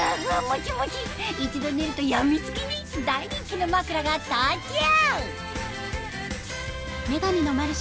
一度寝ると病みつきに大人気の枕が登場！